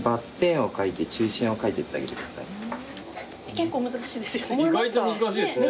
結構難しいですよね。